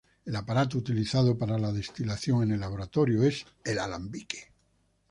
El aparato utilizado para la destilación en el laboratorio es el alambique.